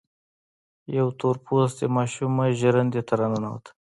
يوه تور پوستې ماشومه ژرندې ته را ننوته.